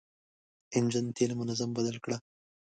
انجن تېل منظم بدل کړه.